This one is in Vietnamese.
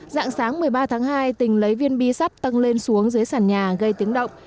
dạng sáng một mươi ba tháng hai tình lấy viên bi sắt tăng lên xuống dưới sàn nhà gây tiếng động